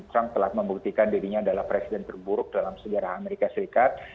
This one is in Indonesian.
trump telah membuktikan dirinya adalah presiden terburuk dalam sejarah amerika serikat